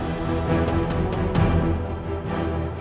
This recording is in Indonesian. sebaiknya paman kembalikan uang paman itu